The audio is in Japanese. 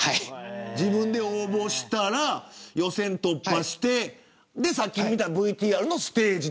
自分で応募したら予選突破してさっき見たＶＴＲのステージ。